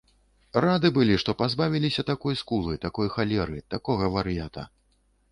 Рады былі, што пазбавіліся такой скулы, такой халеры, такога вар'ята.